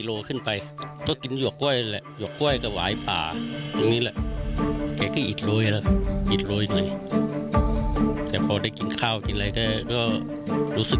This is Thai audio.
ตอนนั้นเริ่มถอยลงมาว่าไม่มีความมั่นใจว่าจะจัดการทางแรก